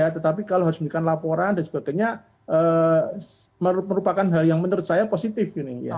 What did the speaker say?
tetapi kalau harus memberikan laporan dan sebagainya merupakan hal yang menurut saya positif ini